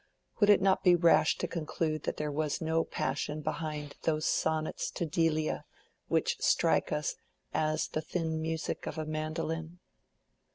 Would it not be rash to conclude that there was no passion behind those sonnets to Delia which strike us as the thin music of a mandolin?